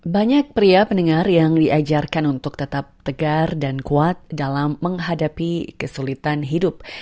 banyak pria pendengar yang diajarkan untuk tetap tegar dan kuat dalam menghadapi kesulitan hidup